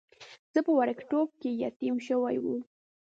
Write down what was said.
زه په وړکتوب کې یتیم شوی وم.